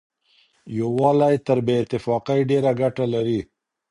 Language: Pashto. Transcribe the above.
يووالی تر بې اتفاقۍ ډېره ګټه لري.